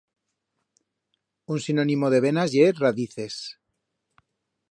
Un sinonimo de venas ye radices.